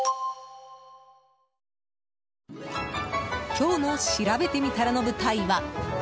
今日のしらべてみたらの舞台は。